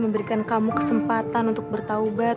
memberikan kamu kesempatan untuk bertaubat